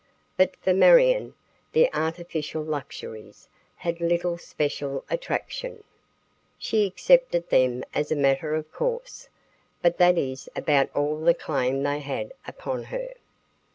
But for Marion the artificial luxuries had little special attraction. She accepted them as a matter of course, but that is about all the claim they had upon her.